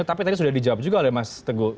tapi tadi sudah dijawab juga oleh mas teguh